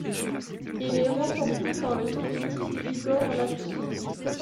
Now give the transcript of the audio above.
Il est remporté par le Soviétique Igor Lapshin.